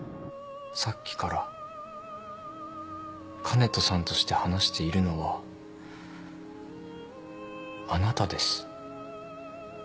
さっきから香音人さんとして話しているのはあなたです。